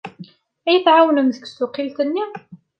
Ad iyi-tɛawnem deg tsuqqilt-nni?